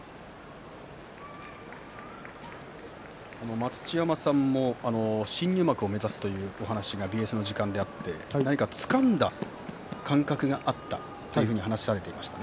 待乳山さんも新入幕を目指すという話がＢＳの時間にありましたがつかんだ感覚があったという話がありました。